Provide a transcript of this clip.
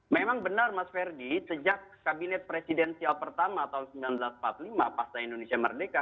memang benar mas ferdi sejak kabinet presidensial pertama tahun seribu sembilan ratus empat puluh lima pasca indonesia merdeka